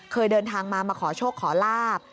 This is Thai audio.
เคยเดินทางมามาขอโชคขอลาบ